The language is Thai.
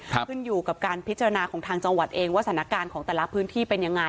ขึ้นอยู่กับการพิจารณาของทางจังหวัดเองว่าสถานการณ์ของแต่ละพื้นที่เป็นยังไง